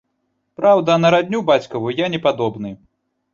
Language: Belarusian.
Праўда, на радню бацькаву я не падобны.